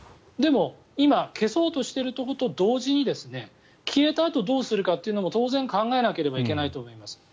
でも、今、消そうとしているということと同時に消えたあとどうするかということも当然、考えないといけないと思います。